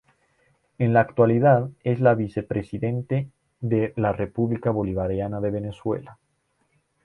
En la actualidad es la vicepresidente de la República Bolivariana de Venezuela.